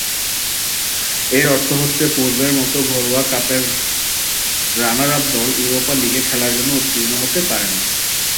এর অর্থ হচ্ছে পূর্বের মতো ঘরোয়া কাপের রানার-আপ দল ইউরোপা লীগে খেলার জন্য উত্তীর্ণ হতে পারে না।